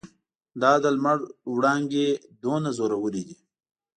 دا د لمر وړانګې دومره زورورې دي.